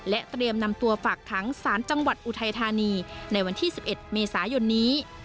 เตรียมนำตัวฝากขังสารจังหวัดอุทัยธานีในวันที่๑๑เมษายนนี้